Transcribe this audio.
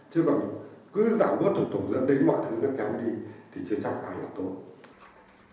chứ còn cứ giảm bớt thủ tục dẫn đến mọi thứ nó kéo đi thì chưa chẳng ai là tốt